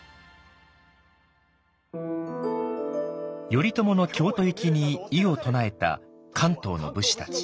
頼朝の京都行きに異を唱えた関東の武士たち。